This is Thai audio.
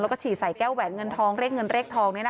แล้วก็ชีดใส่แก้วแหวนเงินทอง